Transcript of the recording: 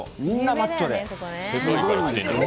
みんなマッチョで。